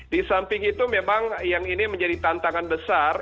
disamping itu memang yang ini menjadi tantangan besar